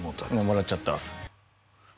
「もらっちゃった」